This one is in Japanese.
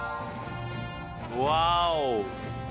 ワーオ！